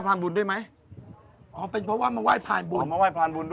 ชอบแต่ไม่เคยบน